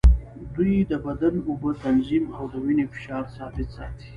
دوی د بدن اوبه تنظیم او د وینې فشار ثابت ساتي.